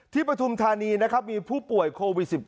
ปฐุมธานีนะครับมีผู้ป่วยโควิด๑๙